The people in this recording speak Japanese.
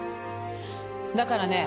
だからね